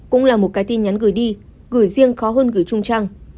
cũng là một cái tin nhắn gửi đi gửi riêng khó hơn gửi chung trang